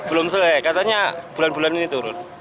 belum selesai katanya bulan bulan ini turun